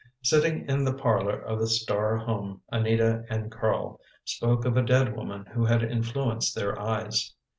Sitting in the parlor of the Starr home Anita and Carl spoke of a dead woman who had influenced their eyes.